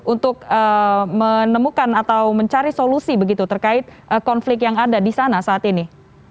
untuk menemukan atau mencari solusi begitu terkait konflik yang ada di sana saat ini